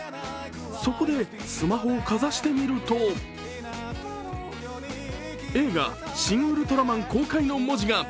そこでスマホをかざしてみると映画「シン・ウルトラマン」公開の文字が。